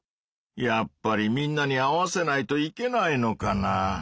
やっぱりみんなに合わせないといけないのかな？